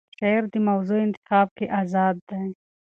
شاعر د موضوع انتخاب کې آزاد دی.